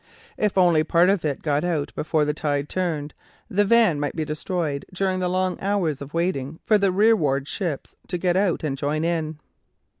If only part of it got out before the tide turned, the van might be destroyed during the long hours of waiting for the rearward ships to get out and join in.